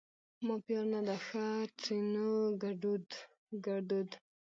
ما پیار نه ده ښه؛ ترينو ګړدود